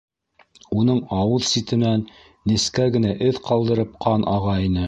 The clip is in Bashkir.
Уның ауыҙ ситенән, нескә генә эҙ ҡалдырып, ҡан аға ине.